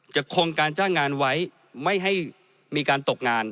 คงการจ้างงานไว้ไม่ให้มีการตกงาน